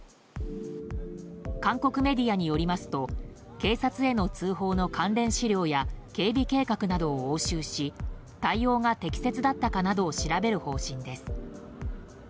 韓国メディアによりますと警察への通報の関連資料や警備計画などを押収し対応が適切だったかなどを調べる方針です。